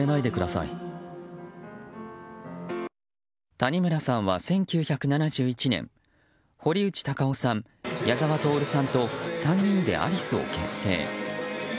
谷村さんは、１９７１年堀内孝雄さん、矢沢透さんと３人でアリスを結成。